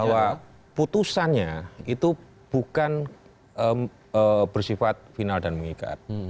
bahwa putusannya itu bukan bersifat final dan mengikat